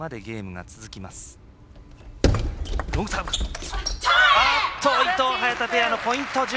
ゲームポイント。